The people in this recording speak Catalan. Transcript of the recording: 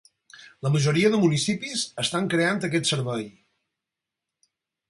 La majoria de municipis estan creant aquest servei.